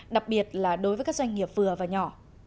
đặc biệt là đối với các doanh nghiệp vừa và nhỏ